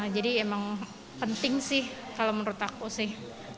jadi emang penting sih kalau menurut aku sih